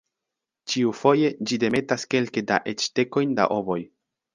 Ĉiufoje ĝi demetas kelke da eĉ dekojn da ovoj.